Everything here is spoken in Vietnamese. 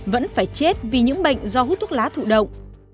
vẫn phải chết vì những bệnh do hút thuốc lá thụ động